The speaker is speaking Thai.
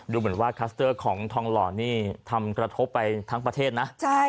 ดูเหมือนว่าคัสเตอร์ของทองหล่อนี่ทำกระทบไปทั้งประเทศนะ